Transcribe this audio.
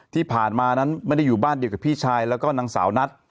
ที่ผ่านมานั้นไม่ได้อยู่บ้านเดียวกับพี่ชายแล้วก็นางสาวนัท